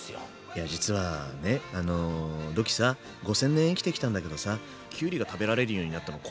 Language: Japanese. いや実はねあのドッキーさ５，０００年生きてきたんだけどさきゅうりが食べられるようになったの